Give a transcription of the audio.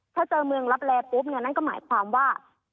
ถ้าเจอเมืองลับแลปุ๊บเนี่ยนั่นก็หมายความว่า